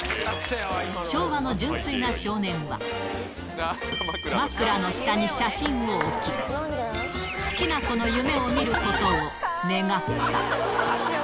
昭和の純粋な少年は、枕の下に写真を置き、好きな子の夢を見ることを願った。